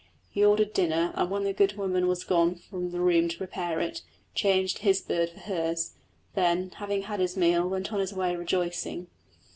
He ordered dinner, and when the good woman was gone from the room to prepare it, changed his bird for hers, then, having had his meal, went on his way rejoicing.